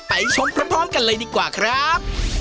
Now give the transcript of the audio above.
ไปชมพร้อมกันเลยดีกว่าครับ